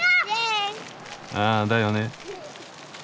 あだよね。